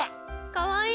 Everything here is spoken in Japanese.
かわいい！